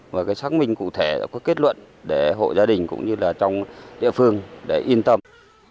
đầu năm hai nghìn một mươi tám tại nhà bà trương thị chiến cách hộ gia đình ông nguyễn xuân toán cũng xảy ra một bức tường ngăn giếng đó đổ